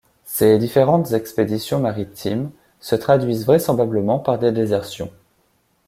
Ces différentes expéditions maritimes se traduisent vraisemblablement par des désertions.